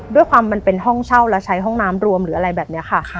มันเป็นห้องเช่าและใช้ห้องน้ำรวมหรืออะไรแบบนี้ค่ะ